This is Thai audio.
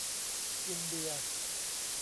กินเบียร์